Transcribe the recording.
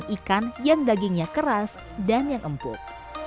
ikan yang dagingnya keras dan yang empuk